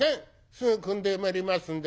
すぐくんでまいりますんで。